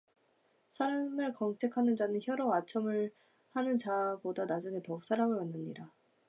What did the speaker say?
사람을 경책하는 자는 혀로 아첨하는 자보다 나중에 더욱 사랑을 받느니라